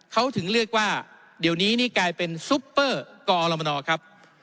เขาถึงเรียกว่าเดี๋ยวนี้นี่กลายเป็นซุปเปอร์กอรมนครับ